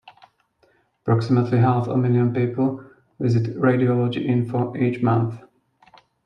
Approximately half a million people visit RadiologyInfo each month.